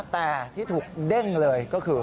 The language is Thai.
แต่ที่ถูกเด้งเลยก็คือ